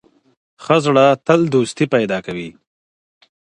ښه زړه تل دوستي پيدا کوي